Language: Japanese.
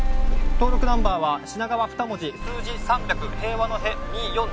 登録ナンバーは品川２文字数字３００平和の「へ」